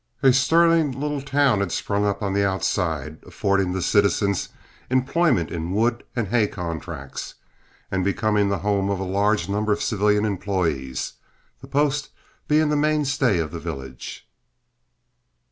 A stirring little town had sprung up on the outside, affording the citizens employment in wood and hay contracts, and becoming the home of a large number of civilian employees, the post being the mainstay of the village.